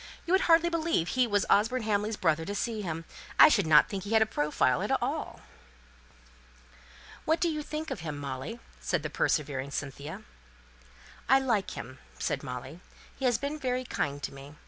You would hardly believe he was Osborne Hamley's brother to see him! I should not think he has a profile at all." "What do you think of him, Molly?" said the persevering Cynthia. "I like him," said Molly. "He has been very kind to me.